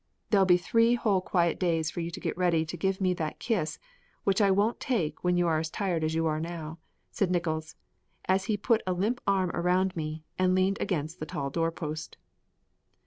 There'll be three whole quiet days for you to get ready to give me that kiss, which I won't take when you are as tired as you are now," said Nickols, as he put a limp arm around me and leaned against the tall door post.